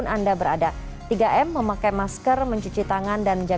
terima kasih mas dalina